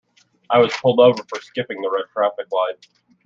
I was pulled over for skipping the red traffic light.